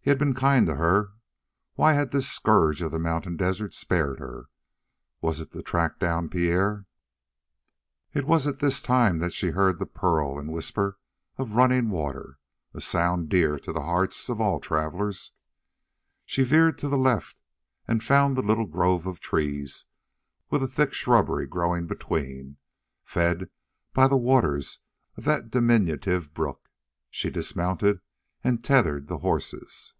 He had been kind to her. Why had this scourge of the mountain desert spared her? Was it to track down Pierre? It was at this time that she heard the purl and whisper of running water, a sound dear to the hearts of all travelers. She veered to the left and found the little grove of trees with a thick shrubbery growing between, fed by the water of that diminutive brook. She dismounted and tethered the horses.